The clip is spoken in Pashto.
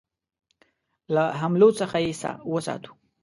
له حملو څخه یې وساتو.